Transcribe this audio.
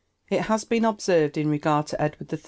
It has been observed, in regard to Edward III.